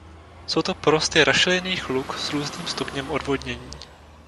Jsou to porosty rašelinných luk s různým stupněm odvodnění.